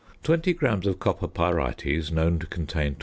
_ Twenty grams of copper pyrites, known to contain 27.